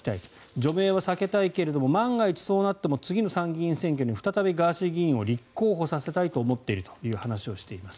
除名は避けたいけれども万が一そうなっても次の参議院選挙に再びガーシー議員を立候補させたいと思っているという話をしています。